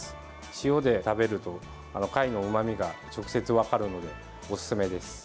塩で食べると、貝のうまみが直接分かるのでおすすめです。